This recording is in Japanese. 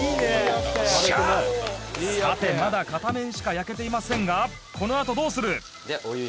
「さてまだ片面しか焼けていませんがこのあとどうする？」